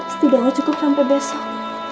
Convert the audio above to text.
setidaknya cukup sampai besok